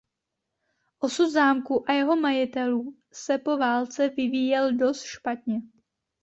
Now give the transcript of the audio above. Osud zámku a jeho majitelů se po válce vyvíjel dost špatně.